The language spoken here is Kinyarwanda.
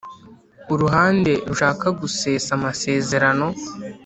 Uruhande rushaka gusesa amasezerano